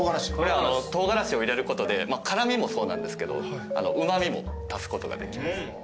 唐辛子を入れることで辛味もそうなんですけどうま味も足すことができます。